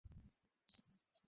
না ভানু, সে মিমি-র বাচ্চা নয়।